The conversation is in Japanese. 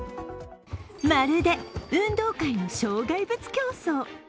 まるで運動会の障害物競走。